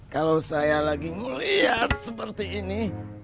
kalau saya lagi melihat seperti ini